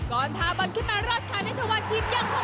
ก่อนพาบอลขึ้นมารอดค้าในทะวันทีมยาโฮ